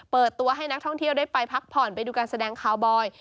เปิดตัวให้นักท่องเที่ยวได้ไปพักผ่อนไปดูการแสดงคาวบอย